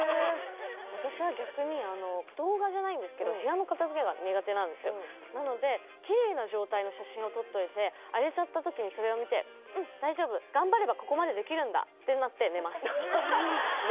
私は逆に動画じゃないんですけどなのできれいな状態の写真を撮っておいて荒れちゃった時にそれを見てうん大丈夫頑張ればここまでできるんだってなって寝ます